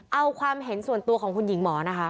เอาความเห็นส่วนตัวของคุณหญิงหมอนะคะ